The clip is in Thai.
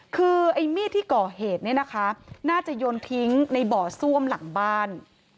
คือมีดที่ก่อเหตุน่าจะโยนทิ้งในบ่อซ่วมหลังบ้าน